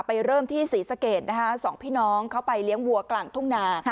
เริ่มที่ศรีสะเกดนะคะสองพี่น้องเขาไปเลี้ยงวัวกลางทุ่งนา